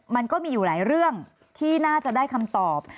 มันก็มีอยู่หลายเรื่องที่น่าจะได้คำตอบ